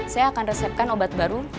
saya akan resepkan obat baru